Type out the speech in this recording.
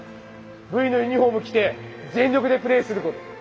Ｖのユニホーム着て全力でプレーすること。